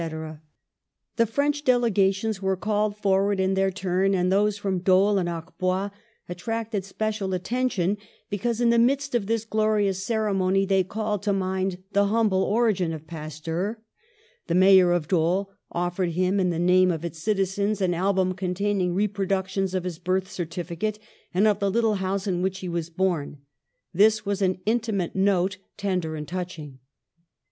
200 PASTEUR The French delegations were called forward in their turn, and those from Dole and Arbois attracted special attention because, in the midst of this glorious ceremony, they called to mind the humble origin of Pasteur; the mayor of Dole offered him in the name of its citizens an album containing reproductions of his birth certificate and of the little house in which he was born. This was an intimate note, tender and touching.